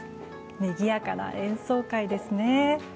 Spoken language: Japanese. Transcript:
にぎやかな演奏会ですね。